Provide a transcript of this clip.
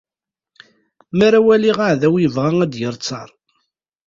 Mi ara waliɣ aɛdaw yebɣa ad d-yerr ttaṛ.